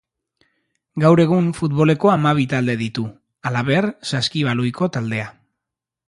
Gaur egun futboleko hamabi talde ditu; halaber, saskibaloiko taldea.